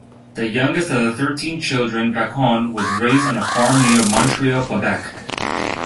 The youngest of thirteen children, Vachon was raised on a farm near Montreal, Quebec.